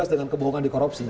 dengan kebohongan di korupsi